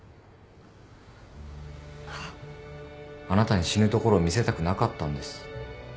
あなたに死ぬところを見せたくなかったんです。